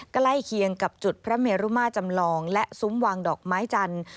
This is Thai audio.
ใกล้เคียงกับจุดพระเมรุมาจำลองและซุ้มวางดอกไม้จันทร์